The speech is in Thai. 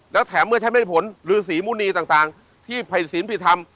แล้วแถมเมื่อใช้ไม่ได้ผลหรือศรีมุณีต่างที่ภัยศีลผิดธรรม